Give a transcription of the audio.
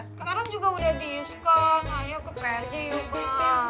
sekarang juga udah diskon ayo ke prj mbak